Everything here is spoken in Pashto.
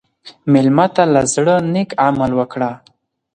مېلمه ته له زړه نیک عمل وکړه.